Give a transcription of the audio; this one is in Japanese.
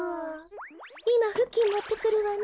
いまふきんもってくるわね。